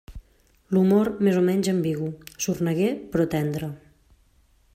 L'humor més o menys ambigu, sorneguer però tendre.